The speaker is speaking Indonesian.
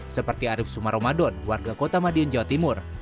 seperti arief sumaromadon warga kota madiun jawa timur